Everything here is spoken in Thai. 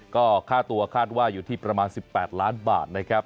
ก็ค่าตัวคาดว่าอยู่ที่ประมาณ๑๘ล้านบาทนะครับ